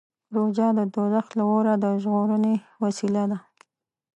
روژه د دوزخ له اوره د ژغورنې وسیله ده.